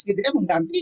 gitu ya mengganti